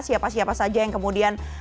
siapa siapa saja yang kemudian